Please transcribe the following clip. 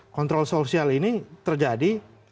kontrol sosial ini terjadi